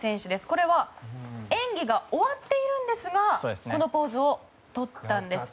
これは演技が終わっているんですがこのポーズをとったんです。